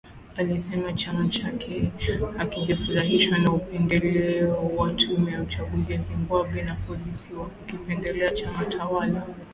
Alisema chama chake hakijafurahishwa na upendeleo wa tume ya uchaguzi ya Zimbabwe, na polisi kwa kukipendelea chama tawala